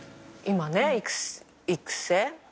今ね育成。